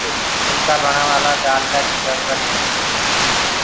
ڦُلڪآ بڻآوآ لآ ڊآلٽآ ڪيٚ جرورتَ هونٚدي هي